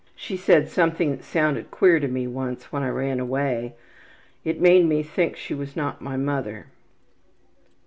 She said something that sounded queer to me once when I ran away. It made me think she was not my mother.